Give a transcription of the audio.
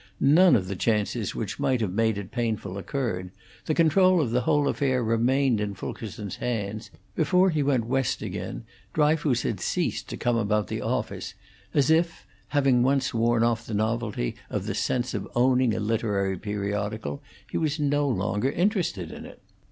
None of the chances which might have made it painful occurred; the control of the whole affair remained in Fulkerson's hands; before he went West again, Dryfoos had ceased to come about the office, as if, having once worn off the novelty of the sense of owning a literary periodical, he was no longer interested in it.